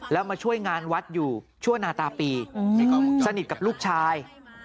แล้วมาช่วยงานวัดอยู่ชั่วนาตาปีสนิทกับลูกชาย